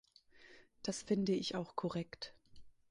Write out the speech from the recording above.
Das finde ich auch korrekt.